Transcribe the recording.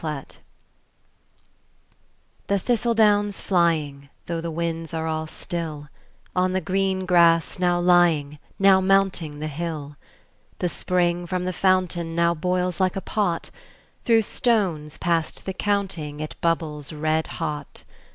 Autumn The thistle down's flying, though the winds are all still, On the green grass now lying, now mounting the hill, The spring from the fountain now boils like a pot; Through stones past the counting it bubbles red hot.